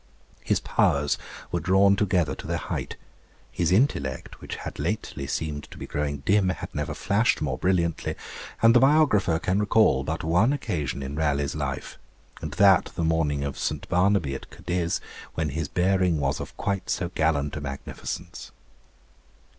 His powers were drawn together to their height; his intellect, which had lately seemed to be growing dim, had never flashed more brilliantly, and the biographer can recall but one occasion in Raleigh's life, and that the morning of St. Barnaby at Cadiz, when his bearing was of quite so gallant a magnificence.